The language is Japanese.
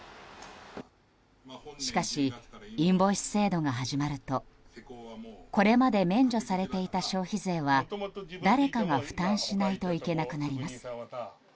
しかしインボイス制度が始まるとこれまで免除されていた消費税は誰かが負担しないといけなくなります。